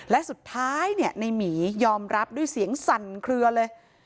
และสุดท้ายในหมียอมรับด้วยเสียงสั่นเคลือเลย